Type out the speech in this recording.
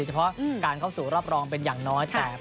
เฉพาะการเข้าสู่รอบรองเป็นอย่างน้อยแต่